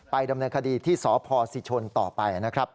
ดำเนินคดีที่สพศิชนต่อไปนะครับ